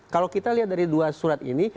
kalau kita lihat dari dua surat ini